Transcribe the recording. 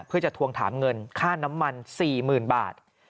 เพื่อจะถวงถามเงินค่าน้ำมันสี่หมื่นบาท